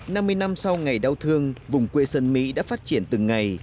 năm mươi năm sau ngày đau thương vùng quê sơn mỹ đã phát triển từng ngày